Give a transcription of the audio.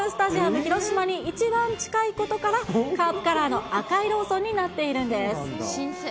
広島に一番近いことから、カープカラーの赤いローソンになっているんです。